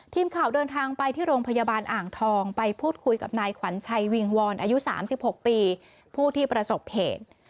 ทีมข่าวเดินทางไปที่โรงพยาบาลอ่างทองไปพูดคุยกับนายขวัญชัยวิงวอนอายุ๓๖ปีผู้ที่ประสบเหตุ